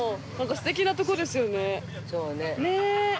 ◆すてきなところですね。